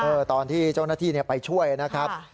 ตอนที่เจ้าหน้าที่ไปช่วยนะครับ